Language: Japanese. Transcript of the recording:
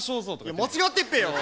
いや間違ってっぺよ。